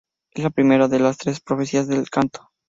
Es la primera de las tres profecías del canto.